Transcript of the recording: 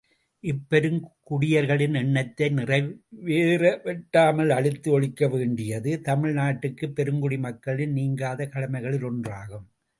இப்பெருங் குடியர்களின் எண்ணத்தை நிறை வேறவொட்டாமல் அழித்து ஒழிக்கவேண்டியது, தமிழ் நாட்டுப் பெருங்குடி மக்களின் நீங்காத கடமைகளில் ஒன்றாகும்.